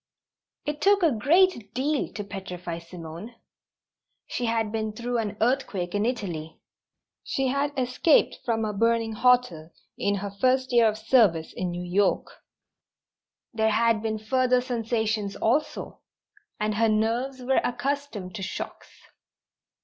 It took a great deal to petrify Simone. She had been through an earthquake in Italy. She had escaped from a burning hotel in her first year of service in New York. There had been further sensations also, and her nerves were accustomed to shocks.